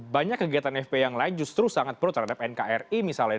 banyak kegiatan fpi yang lain justru sangat pro terhadap nkri misalnya